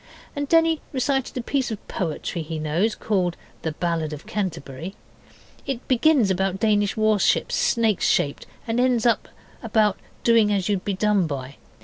And Denny recited a piece of poetry he knows called 'The Ballad of Canterbury'. It begins about Danish warships snake shaped, and ends about doing as you'd be done by.